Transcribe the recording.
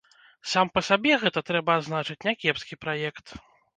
Сам па сабе гэта, трэба адзначыць, някепскі праект.